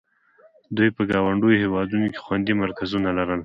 دوی په ګاونډیو هېوادونو کې خوندي مرکزونه لرل.